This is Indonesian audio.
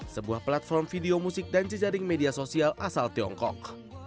sebuah platform video musik dan jejaring media sosial asal tiongkok